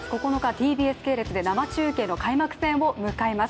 ＴＢＳ系列で生中継の開幕戦を迎えます。